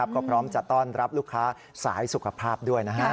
ก็พร้อมจะต้อนรับลูกค้าสายสุขภาพด้วยนะฮะ